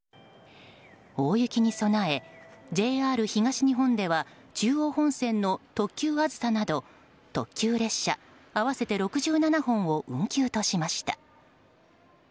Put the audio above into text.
大雪に備え、ＪＲ東日本では中央本線の特急「あずさ」など特急列車合わせて６７本を運休としました。